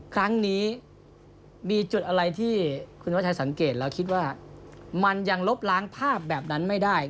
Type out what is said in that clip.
ครั้งนี้มีจุดอะไรที่คุณวัชชัยสังเกตแล้วคิดว่ามันยังลบล้างภาพแบบนั้นไม่ได้